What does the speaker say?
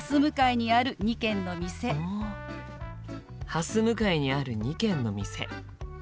はす向かいにある２軒の店。